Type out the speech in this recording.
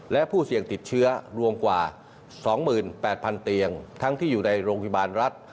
และผู้เสี่ยงติดเชื้อรวมกว่า๒๘๐๐๐เตียงทั้งที่อยู่ในโรงพยาบาลรัฐ